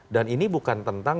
dan ini bukan tentang